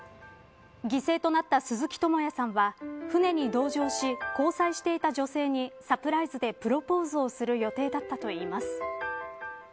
犠牲となった鈴木智也さんは船に同乗し交際していた女性にサプライズでプロポーズをする予定だったといいます。